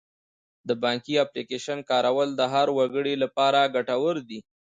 د بانکي اپلیکیشن کارول د هر وګړي لپاره ګټور دي.